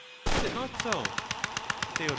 Is it not so ? Theod.